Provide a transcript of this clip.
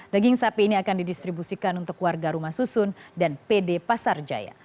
daging sapi ini akan didistribusikan untuk warga rumah susun dan pd pasar jaya